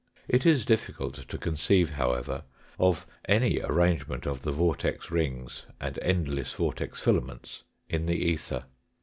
It is difficult to conceive, however, of any arrangement of the vortex rings and endless vortex filaments in the ether.